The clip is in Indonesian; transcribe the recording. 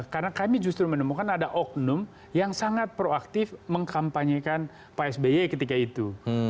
karena kami justru menemukan ada ognum yang sangat proaktif mengkampanyekan pak sby ketika itu